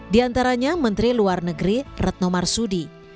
di antaranya menteri luar negeri retno marsudi